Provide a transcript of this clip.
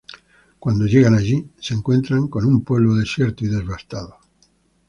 Cuando llegan allí, se encuentran con un pueblo desierto y devastado.